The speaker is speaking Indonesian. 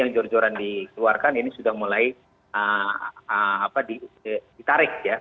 yang jor joran dikeluarkan ini sudah mulai ditarik ya